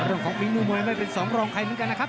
ของฝีมือมวยไม่เป็นสองรองใครเหมือนกันนะครับ